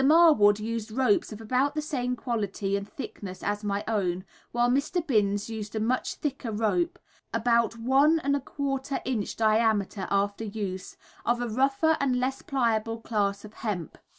Marwood used ropes of about the same quality and thickness as my own, while Mr. Binns used a much thicker rope (about 1¼ inch diameter after use), of a rougher and less pliable class of hemp.